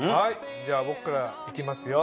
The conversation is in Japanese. じゃあ僕から行きますよ。